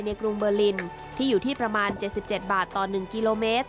กรุงเบอร์ลินที่อยู่ที่ประมาณ๗๗บาทต่อ๑กิโลเมตร